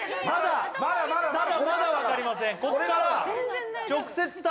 まだ分かりません。